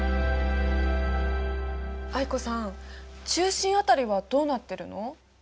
藍子さん中心辺りはどうなってるの？